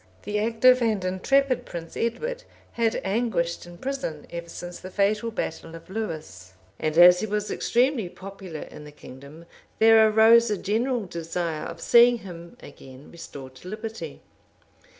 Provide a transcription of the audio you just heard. The active and intrepid Prince Edward had anguished in prison ever since the fatal battle of Lewes; and as he was extremely popular in the kingdom there arose a general desire of seeing him again restored to liberty.